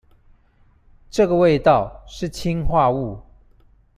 這個味道，是氰化物